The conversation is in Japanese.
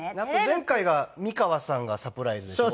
前回が美川さんがサプライズでしょ？